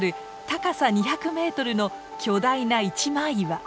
高さ２００メートルの巨大な一枚岩。